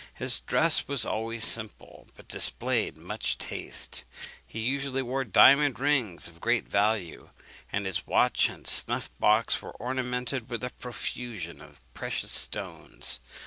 His dress was always simple, but displayed much taste. He usually wore diamond rings of great value, and his watch and snuff box were ornamented with a profusion of precious stones.